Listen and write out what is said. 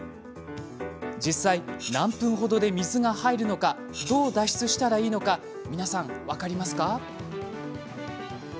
実際、何分ほどで水が入るのかどう脱出したらいいのか皆さん、分かりますか？